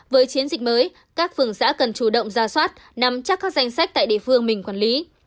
với chiến dịch mới các phường xã cần chủ động ra soát nắm chắc các danh sách tại địa phương mình quản lý